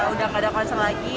udah gak ada concern lagi